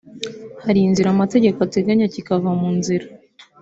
hari inzira amategeko ateganya kikava mu nzira